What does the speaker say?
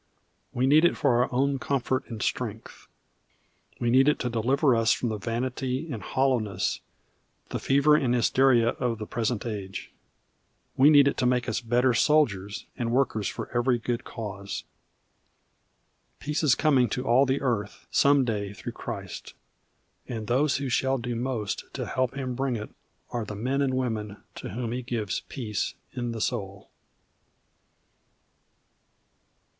We need it for our own comfort and strength. We need it to deliver us from the vanity and hollowness, the fever and hysteria of the present age. We need it to make us better soldiers and workers for every good cause. Peace is coming to all the earth some day through Christ. And those who shall do most to help Him bring it are the men and women to whom He gives Peace in the Soul.